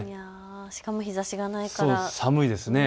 しかも日ざしがないから寒いですね。